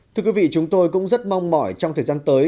thưa quý vị chúng tôi cũng rất mong mỏi trong thời gian tới